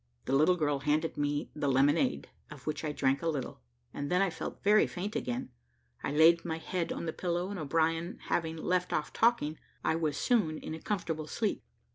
The little girl handed me the lemonade, of which I drank a little, and then I felt very faint again. I laid my head on the pillow, and O'Brien having left off talking, I was soon in a comfortable sleep.